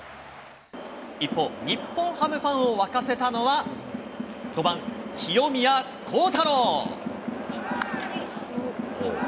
一方、日本ハムファンを沸かせたのは、５番清宮幸太郎。